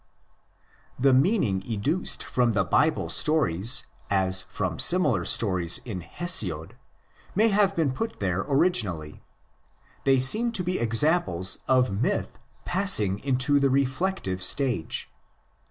The meaning educed from the Bible stories, as from similar stories in Hesiod, may have been put there originally : they seem to be examples of myth passing into the reflective stage.